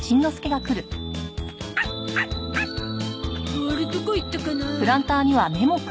ボールどこ行ったかな？